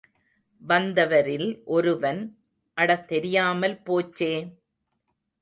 வந்தவரில் ஒருவன் அட தெரியாமல் போச்சே!